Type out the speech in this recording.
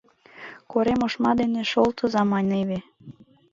Корем ошма дене шолтыза, маневе.